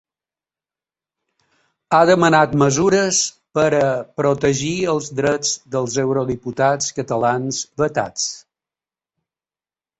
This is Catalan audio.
Ha demanat mesures per a ‘protegir els drets dels eurodiputats catalans vetats’.